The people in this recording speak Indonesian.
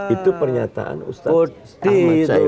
itu pernyataan ustaz ahmad syaihut